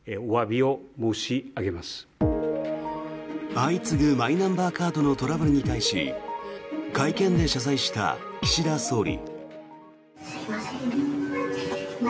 相次ぐマイナンバーカードのトラブルに対し会見で謝罪した岸田総理。